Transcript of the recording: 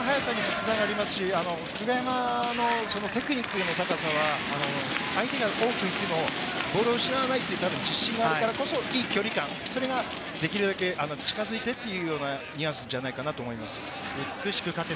切り返しの速さにもつながりますし、久我山のテクニックの高さは、相手が多くいてもボールを失わないって言う自信があるからこそいい距離感、それか、できるだけ近づいてっていうようなニュアンスじゃないかなと思います。